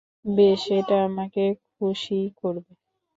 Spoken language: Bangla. বেশ, এটা আমাকে খুশীই করবে।